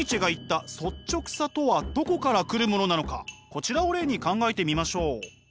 こちらを例に考えてみましょう。